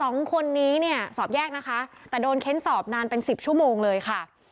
สองคนนี้เนี่ยสอบแยกนะคะแต่โดนเค้นสอบนานเป็นสิบชั่วโมงเลยค่ะ